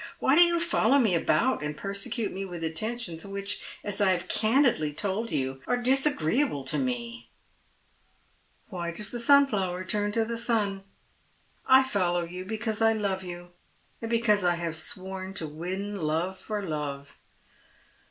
Why do you follow me about and persecute me with attentions which, as I have candidly told you, are disagreeable to me ?"" Why does the sunflower turn to the sun ? I follow you n J55S Dead Men's SJwes. because I love you, and because I have sworn to win love for love."